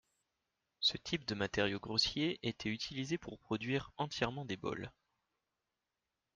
Ce type de matériau grossier était utilisé pour produire entièrement des bols.